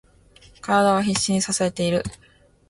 体は必死に支えている。